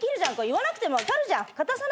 言わなくても分かるじゃん。